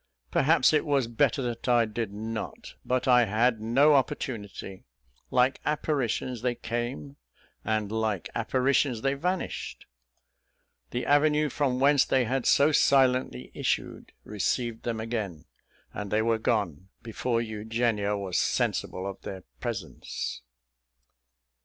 Perhaps it was better that I did not; but I had no opportunity. Like apparitions they came, and like apparitions they vanished. The avenue from whence they had so silently issued, received them again, and they were gone before Eugenia was sensible of their presence.